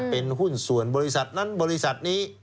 เป็นหุ้นส่วนบริษัทนั้นบริษัทนี้